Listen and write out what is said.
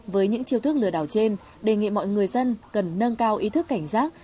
với những chiêu thức lừa đảo trên đề nghị mọi người dân cần nâng cao ý thức cảnh giác